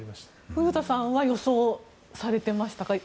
古田さんは予想されていましたか？